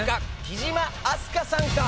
貴島明日香さんか？